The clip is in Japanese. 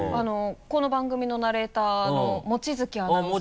この番組のナレーターの望月アナウンサー。